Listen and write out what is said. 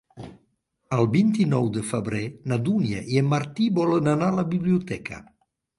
El vint-i-nou de febrer na Dúnia i en Martí volen anar a la biblioteca.